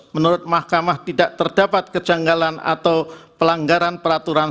menurut mahkamah tidak terdapat kejanggalan atau pelanggaran peraturan